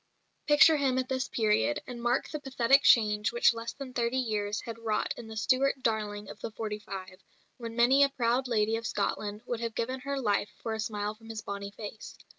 Picture him at this period, and mark the pathetic change which less than thirty years had wrought in the Stuart "darling" of "the forty five," when many a proud lady of Scotland would have given her life for a smile from his bonnie face.